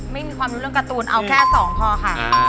ไม่มีความรู้เรื่องการ์ตูนเอาแค่๒พอค่ะ